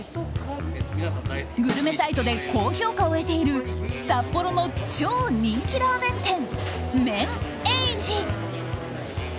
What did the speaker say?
グルメサイトで高評価を得ている札幌の超人気ラーメン店ＭＥＮ‐ＥＩＪＩ。